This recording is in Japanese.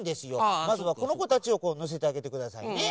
まずはこのこたちをのせてあげてくださいね。